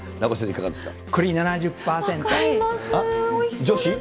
いかがですか。